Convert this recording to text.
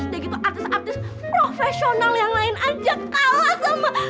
terus artis artis profesional yang lain aja kalah sama